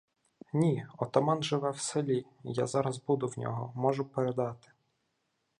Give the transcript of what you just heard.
— Ні, отаман живе в селі, я зараз буду в нього, можу передати.